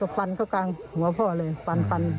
ก็ปันเขากลางหัวพ่อเลยปัน